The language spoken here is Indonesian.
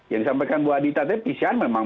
yang disampaikan bu adita tadi pcr memang